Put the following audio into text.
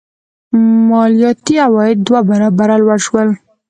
مالیاتي عواید دوه برابره لوړ شول.